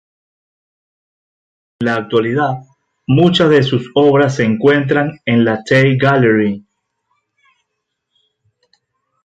En la actualidad, muchas de sus obras se encuentran en la Tate Gallery.